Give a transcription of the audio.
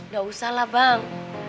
gak usah lah bang